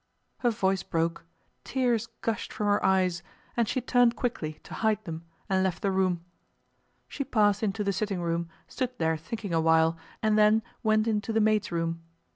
Her voice broke, tears gushed from her eyes, and she turned quickly to hide them and left the room. She passed into the sitting room, stood there thinking awhile, and then went into the maids' room.